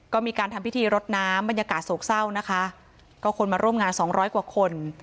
ก็มีการทำพิธีรดน้ำบรรยากาศโศกเศร้านะคะก็คนมาร่วมงานสองร้อยกว่าคน